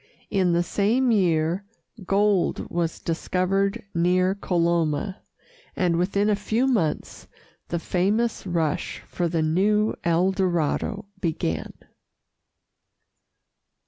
In the same year gold was discovered near Coloma, and within a few months the famous rush for the new El Dorado began.